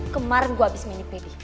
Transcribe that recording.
kemarin gue abis mini pd